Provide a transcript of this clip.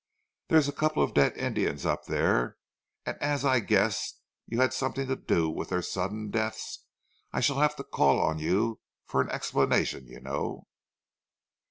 There's a couple of dead Indians up there, and as I guess you had something to do with their sudden deaths I shall have to call on you for an explanation you know."